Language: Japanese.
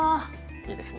いいですね。